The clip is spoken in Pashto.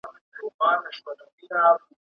¬ هولکي د وارخطا ورور دئ.